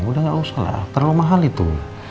udah gak usah lah terlalu mahal itu